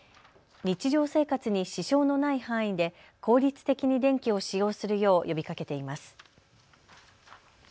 日常生活に支障のない範囲で効率的に電気を使用するよう呼びかけています。